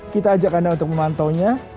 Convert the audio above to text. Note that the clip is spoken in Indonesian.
kita ajak anda untuk memantaunya